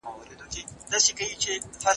ایا غواړې چې زما د پاتې ژوند ملګرې شې؟